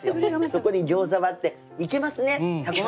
そこに餃子割っていけますね百皿ね。